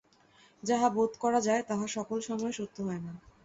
যাহা বোধ করা যায় তাহা সকল সময়ে সত্য হয় না।